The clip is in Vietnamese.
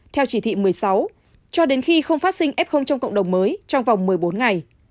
theo chỉ thị một mươi sáu cho đến khi không phát sinh f trong cộng đồng mới trong vòng một mươi bốn ngày